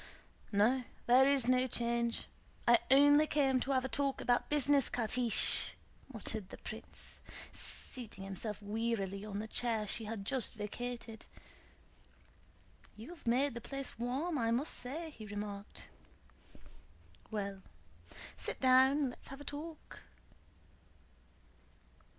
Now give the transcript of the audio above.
"No, there is no change. I only came to have a talk about business, Catiche," * muttered the prince, seating himself wearily on the chair she had just vacated. "You have made the place warm, I must say," he remarked. "Well, sit down: let's have a talk."